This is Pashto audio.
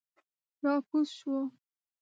را کوز شوو.